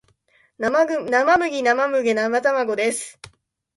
生麦生米生卵です